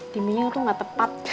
timnya tuh ga tepat